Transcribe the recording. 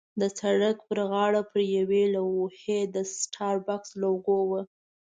د سړک پر غاړه پر یوې لوحې د سټاربکس لوګو وه.